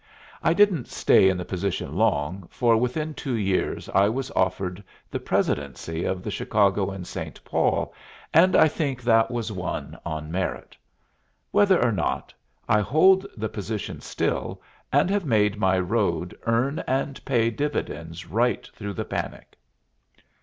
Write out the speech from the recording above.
I didn't stay in the position long, for within two years I was offered the presidency of the Chicago & St. Paul, and I think that was won on merit. Whether or not, I hold the position still, and have made my road earn and pay dividends right through the panic.